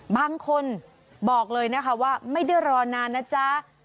บางคนบอกเลยนะคะว่าไม่ได้รอนานนะจ๊ะ